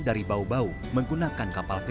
dari bau bau menggunakan kapal feri